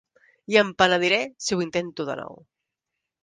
I em penediré si ho intento de nou.